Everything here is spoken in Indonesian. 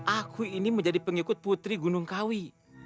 aku ini menjadi pengikut putri gunungkawi